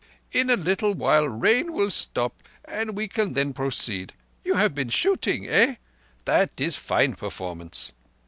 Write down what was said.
In a little while rain will stop and we can then proceed. You have been shooting, eh? That is fine performance!"